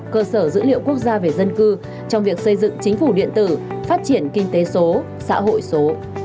cơ sở dữ liệu quốc gia về dân cư trong việc xây dựng chính phủ điện tử phát triển kinh tế số xã hội số